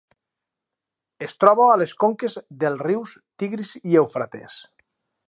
Es troba a les conques dels rius Tigris i Eufrates.